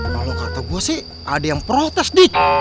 kalau kata gua sih ada yang protes dik